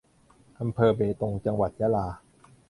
อำเภอเบตง จังหวัดยะลา